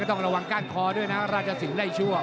ต้องระวังก้านคอด้วยนะราชสิงห์ได้ชั่ว